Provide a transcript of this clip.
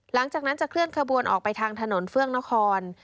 หลังจากนั้นจะเคลื่อนขบวนออกไปทางถนนเฟื่องนคร